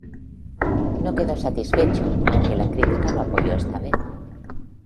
No quedó satisfecho, aunque la crítica lo apoyó esta vez.